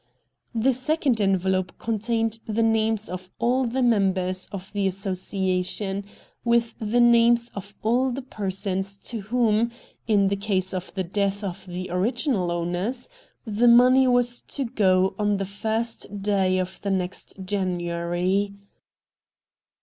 The second envelope contained the names of all the members of the association, with the names of all the persons to whom, in the case of the death of the original owners, the money was to go on the first day of the next THE POCKET BOOK 171 January.